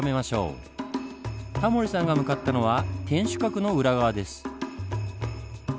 タモリさんが向かったのは天守閣の裏側です。